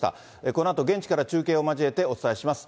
このあと現地から中継を交えてお伝えします。